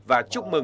và chúc mừng